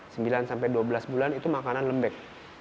sembilan sampai dua belas bulan itu makanan lembek